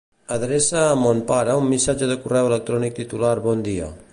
Adreça a mon pare un missatge de correu electrònic titulat "bon dia".